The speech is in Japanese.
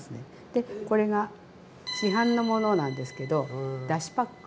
でこれが市販のものなんですけどだしパック。